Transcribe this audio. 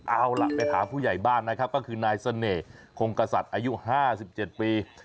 เอาล่ะไปถามผู้ใหญ่บ้านนะครับก็คือนายเสน่ห์คงกษัตริย์อายุ๕๗ปี